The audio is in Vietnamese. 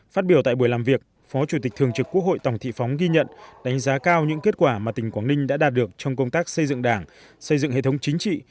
phát biểu tại buổi làm việc phó chủ tịch thường trực quốc hội tổng thị phóng ghi nhận đánh giá cao những kết quả mà tỉnh quảng ninh đã đạt được trong công tác xây dựng đảng xây dựng hệ thống chính trị